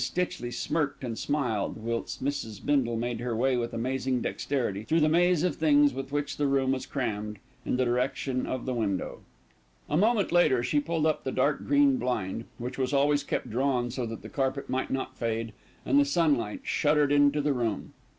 Stitchley smirked and smiled, whilst Mrs. Bindle made her way, with amazing dexterity, through the maze of things with which the room was crammed, in the direction of the window. A moment later, she pulled up the dark green blind, which was always kept drawn so that the carpet might not fade, and the sunlight shuddered into the room.